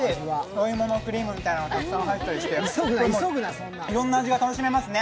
お芋のクリームみたいなのがたくさん入ってたりして、いろんな味が楽しめます。